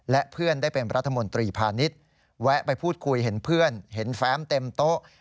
และเพื่อนได้เป็นรัฐมนตรีพาณิชย์แวะไปพูดคุยเห็นเพื่อนเห็นแฟ้มเต็มโต๊ะ